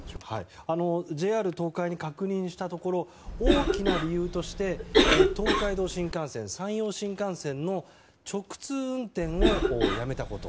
ＪＲ東海に確認したところ大きな理由として東海道新幹線山陽新幹線の直通運転をやめたこと。